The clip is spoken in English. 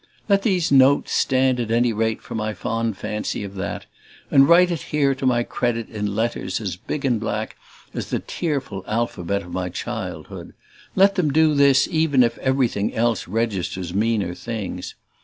Let these notes stand at any rate for my fond fancy of that, and write it here to my credit in letters as big and black as the tearful alphabet of my childhood; let them do this even if everything else registers meaner things.